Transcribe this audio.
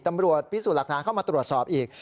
ตำรวจพิสูจน์หลักฐานเข้ามาตรวจสอบอีก